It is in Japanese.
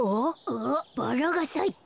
あっバラがさいた。